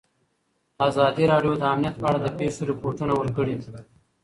ازادي راډیو د امنیت په اړه د پېښو رپوټونه ورکړي.